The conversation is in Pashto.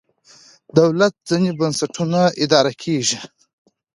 دولت ځینې بنسټونه اداره کېږي.